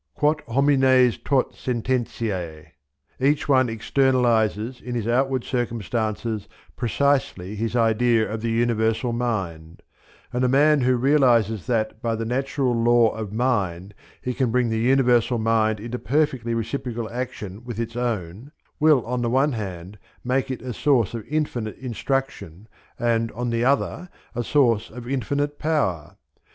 "Quot homines tot sententiĉ": each one externalizes in his outward circumstances precisely his idea of the Universal Mind; and the man who realizes that by the natural law of mind he can bring the Universal Mind into perfectly reciprocal action with its own, will on the one hand make it a source of infinite instruction, and on the other a source of infinite power.